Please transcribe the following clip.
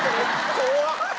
怖っ！